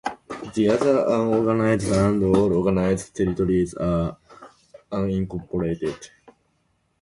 The other unorganized and all organized territories are unincorporated.